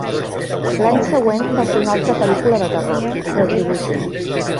L'any següent va fer una altra pel·lícula de terror, Retribution.